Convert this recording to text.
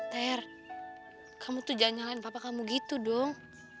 ter kamu tuh jangan nyalain papa kamu gitu dong